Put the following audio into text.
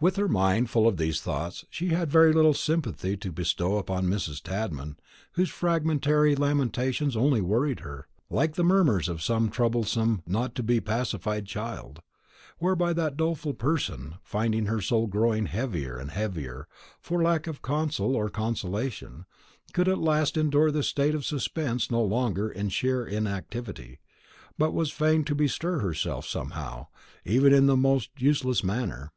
With her mind full of these thoughts, she had very little sympathy to bestow upon Mrs. Tadman, whose fragmentary lamentations only worried her, like the murmurs of some troublesome not to be pacified child; whereby that doleful person, finding her soul growing heavier and heavier, for lack of counsel or consolation, could at last endure this state of suspense no longer in sheer inactivity, but was fain to bestir herself somehow, if even in the most useless manner.